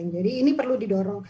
jadi ini perlu didorong